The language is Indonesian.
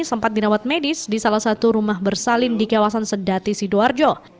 sempat dirawat medis di salah satu rumah bersalin di kawasan sedati sidoarjo